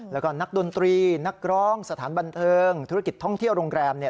แล้วก็นักดนตรีนักร้องสถานบันเทิงธุรกิจท่องเที่ยวโรงแรมเนี่ย